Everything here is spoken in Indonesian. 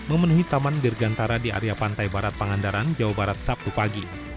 memenuhi taman dirgantara di area pantai barat pangandaran jawa barat sabtu pagi